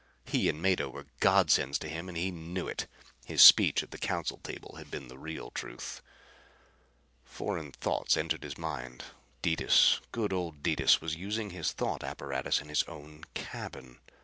He and Mado were godsends to him, and he knew it! His speech at the council table had been the real truth. Foreign thoughts entered his mind. Detis, good old Detis, was using his thought apparatus in his own cabin!